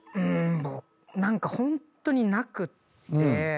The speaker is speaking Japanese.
何かホントになくって。